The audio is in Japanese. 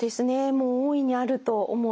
もう大いにあると思います。